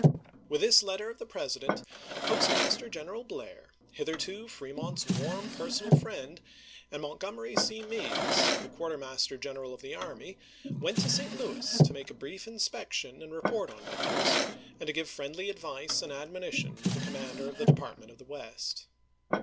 With this letter of the President, Postmaster General Blair — hitherto Fremont's warm personal friend — and Montgomery C Meigs, the Quarter master General of the Army, went to St. Louis, to make a brief inspection and report on matters, and to give friendly advice and admonition to the com mander of the Department of the West.